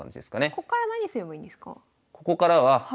こっから何すればいいんですか？